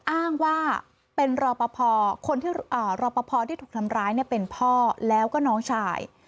อ้างว่าเป็นรอปภคนที่รอปภที่ถูกทำร้ายเป็นพ่อแล้วก็น้องชาย